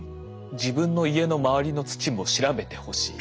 自分の家の周りの土も調べてほしい。